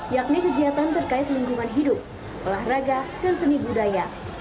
yakni kegiatan terkait lingkungan hidup olahraga dan seni budaya